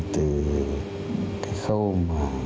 từ cái khâu mà